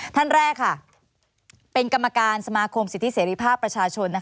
ท่านแรกค่ะเป็นกรรมการสมาคมสิทธิเสรีภาพประชาชน